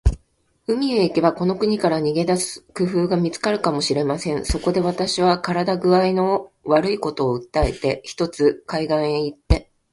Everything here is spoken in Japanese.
海へ行けば、この国から逃げ出す工夫が見つかるかもしれません。そこで、私は身体工合の悪いことを訴えて、ひとつ海岸へ行って